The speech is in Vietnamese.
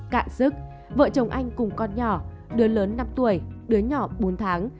cạn sức vợ chồng anh cùng con nhỏ đứa lớn năm tuổi đứa nhỏ bốn tháng